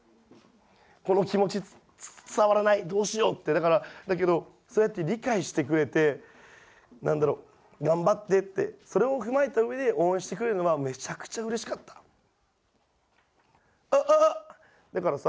この気持ち伝わらないどうしようってだからだけどそうやって理解してくれて何だろう「頑張って」ってそれを踏まえた上で応援してくれるのはめちゃくちゃ嬉しかったあああっだからさ